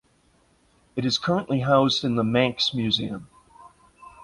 It is currently housed in the Manx Museum.